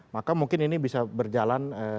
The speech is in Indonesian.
maka mungkin ini bisa berjalan